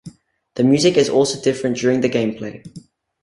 The music is also different during the gameplay.